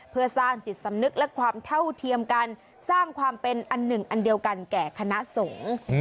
เพื่อสร้างจิตสำนึกและความเท่าเทียมกันสร้างความเป็นอันหนึ่งอันเดียวกันแก่คณะสงฆ์